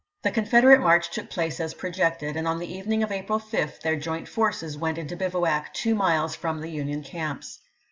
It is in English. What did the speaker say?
The Confederate march took place as projected, and on the evening of April 5 their joint forces went into bivouac two miles from the Union camps.